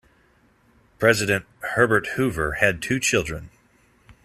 President Herbert Hoover had two children.